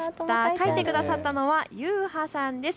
かいてくださったのはゆうはさんです。